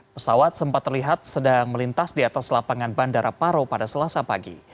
pesawat sempat terlihat sedang melintas di atas lapangan bandara paro pada selasa pagi